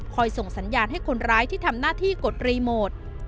ส่งสัญญาณให้คนร้ายที่ทำหน้าที่กดรีโมท